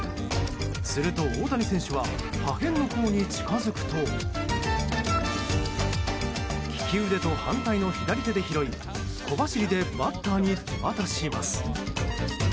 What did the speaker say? すると大谷選手は破片のほうに近づくと利き腕と反対の左手で拾い小走りでバッターに手渡します。